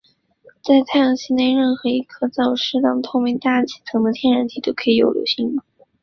在太阳系内任何一颗有着适当且透明大气层的天体都可以有流星雨。